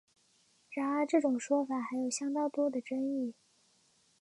然而这种说法还有相当多的争议。